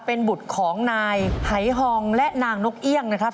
เป็นบุตรของนายหายฮองและนางนกเอี่ยงนะครับ